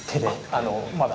あのまだ。